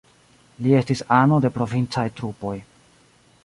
Li estis ano de provincaj trupoj.